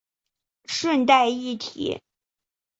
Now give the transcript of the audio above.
顺带一提